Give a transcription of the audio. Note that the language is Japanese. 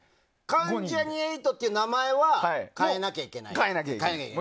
関ジャニ∞っていう名前は変えなきゃいけない。